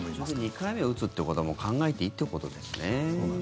２回目を打つということも考えていいということですね。